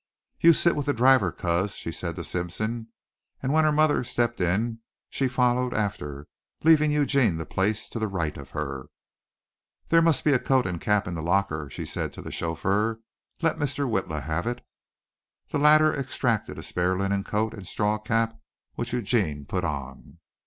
"You sit with the driver, coz," she said to Simpson, and when her mother stepped in she followed after, leaving Eugene the place to the right of her. "There must be a coat and cap in the locker," she said to the chauffeur; "let Mr. Witla have it." The latter extracted a spare linen coat and straw cap which Eugene put on.